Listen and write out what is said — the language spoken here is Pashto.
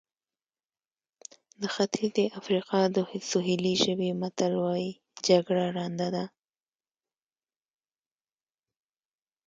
د ختیځې افریقا د سوهیلي ژبې متل وایي جګړه ړنده ده.